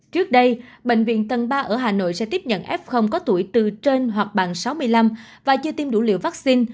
trước đây bệnh viện tân ba ở hà nội sẽ tiếp nhận f có tuổi từ trên hoặc bằng sáu mươi năm và chưa tiêm đủ liều vaccine